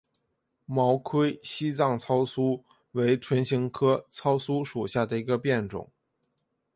毛盔西藏糙苏为唇形科糙苏属下的一个变种。